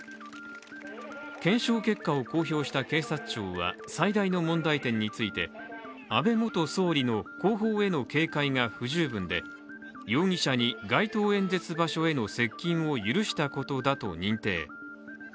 検証結果を公表した警察庁は最大の問題点について安倍元総理の後方への警戒が不十分で容疑者に街頭演説場所への接近を許したことだと認定。